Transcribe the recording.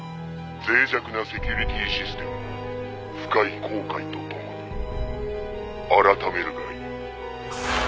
「脆弱なセキュリティーシステムを深い後悔とともに改めるがいい」